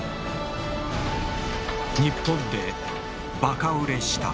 日本でバカ売れした。